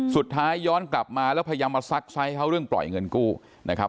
ย้อนกลับมาแล้วพยายามมาซักไซส์เขาเรื่องปล่อยเงินกู้นะครับ